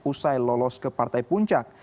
usai lolos ke partai puncak